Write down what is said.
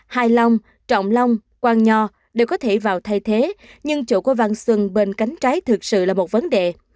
hai lông trọng lông quang nhò đều có thể vào thay thế nhưng chỗ của văn xuân bên cánh trái thực sự là một vấn đề